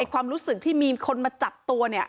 ความรู้สึกที่มีคนมาจับตัวเนี่ย